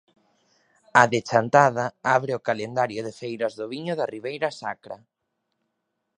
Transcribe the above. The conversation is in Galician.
A de Chantada abre o calendario de feiras do viño da Ribeira Sacra.